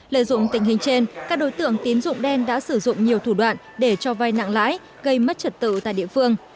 lợi dụng tình hình trên các đối tượng tín dụng đen đã sử dụng nhiều thủ đoạn để cho vay nặng lãi gây mất trật tự tại địa phương